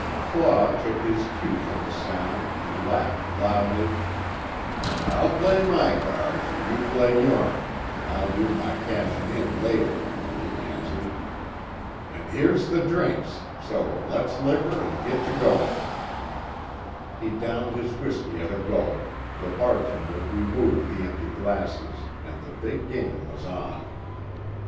Claw took his cue from the sound and laughed loudly: "I'll play my cards, an' you play yourn, an' I'll do my cashin' in later," he answered. "An' here's the drinks, so le's liquor an' git to goin'." He downed his whiskey at a gulp, the bartender removed the empty glasses, and the big game was on.